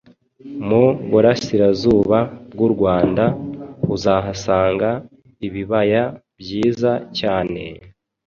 Mu burasirazuba bw’u Rwanda uzahasanga ibibaya byiza cyane,